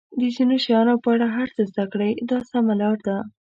د ځینو شیانو په اړه هر څه زده کړئ دا سمه لار ده.